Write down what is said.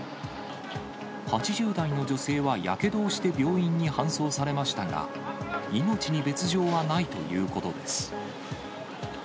８０代の女性はやけどをして病院に搬送されましたが、命に別状はないということです。